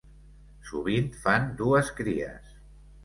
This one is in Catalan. Sovint fan dues cries.